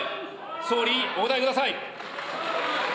総理、お答えください。